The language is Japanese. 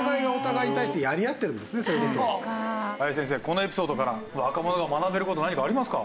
林先生このエピソードから若者が学べる事何かありますか？